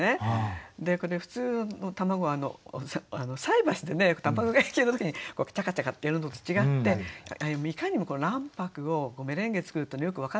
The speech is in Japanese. これ普通卵菜箸で卵焼きの時にチャカチャカってやるのと違っていかにも卵白をメレンゲ作るってよく分かったんですね。